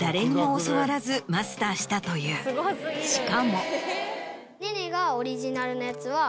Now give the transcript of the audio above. しかも。